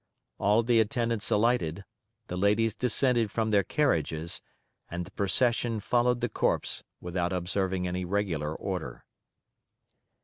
All the attendants alighted, the ladies descended from their carriages, and the procession followed the corpse without observing any regular order.